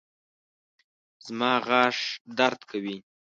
زما غاښ درد کوي